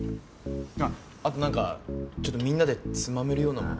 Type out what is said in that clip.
あとなんかちょっとみんなでつまめるようなもの。